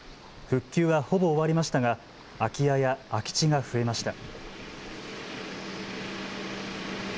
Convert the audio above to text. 復旧はほぼ終わりましたが空き家や空き地が増えました。